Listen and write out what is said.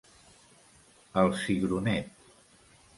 El Cigronet.